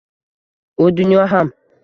U dunyo ham —